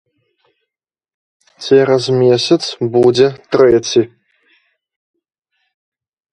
Цераз месяц будзе трэці.